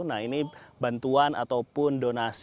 nah ini bantuan ataupun donasi